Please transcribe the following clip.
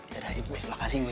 dadah ibu makasih bu ya